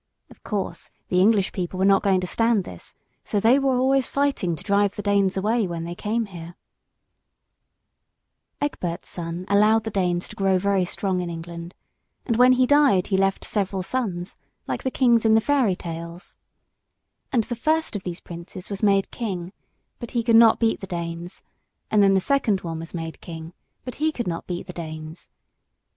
Of course, the English people were not going to stand this; so they were always fighting to drive the Danes away when they came here. [Sidenote: A.D. 871.] Egbert's son allowed the Danes to grow very strong in England, and when he died he left several sons, like the kings in the fairy tales; and the first of these princes was made King, but he could not beat the Danes, and then the second one was made King, but he could not beat the Danes.